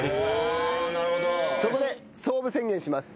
そこで創部宣言します。